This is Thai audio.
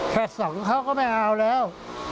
สองเขาก็ไม่เอาแล้ว